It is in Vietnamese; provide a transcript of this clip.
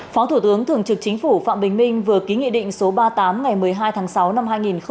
phó thủ tướng thường trực chính phủ phạm bình minh vừa ký nghị định số ba mươi tám ngày một mươi hai tháng sáu năm hai nghìn một mươi chín